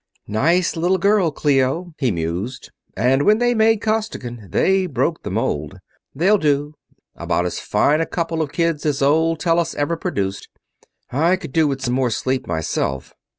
"Nice little girl, Clio," he mused, "and when they made Costigan they broke the mold. They'll do about as fine a couple of kids as old Tellus ever produced. I could do with some more sleep myself."